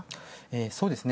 そうですね。